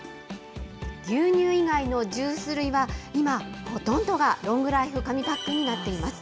牛乳以外のジュース類は、今ほとんどがロングライフ紙パックになっています。